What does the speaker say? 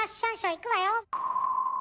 「いくわよ」。